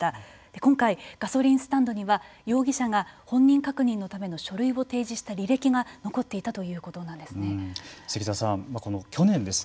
今回、ガソリンスタンドには容疑者が本人確認のための書類を提示した履歴が残っていたということなんですね。